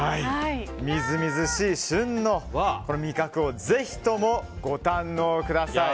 みずみずしい旬の味覚をぜひともご堪能ください。